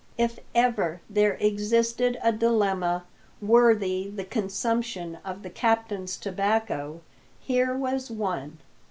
If ever there existed a dilemma worthy the consumption of the captain's tobacco, here was one.